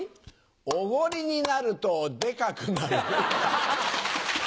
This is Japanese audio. おごりになるとデカくなる。